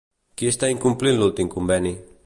Qui està incomplint l'últim conveni?